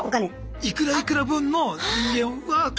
いくらいくら分の人間を。